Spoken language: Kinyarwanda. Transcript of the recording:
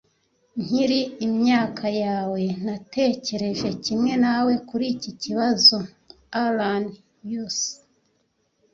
nkiri imyaka yawe, natekereje kimwe nawe kuri iki kibazo. (alanf_us